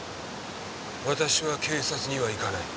私は警察には行かない。